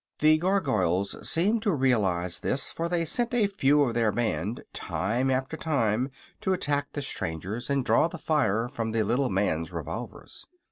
The Gargoyles seemed to realize this, for they sent a few of their band time after time to attack the strangers and draw the fire from the little man's revolvers.